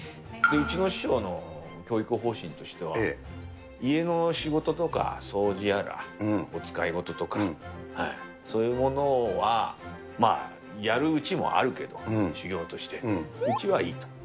一朝師匠の方針としては、家の仕事とか、掃除やらおつかいごととか、そういうものはやるうちもあるけど、修業として、うちはいいと。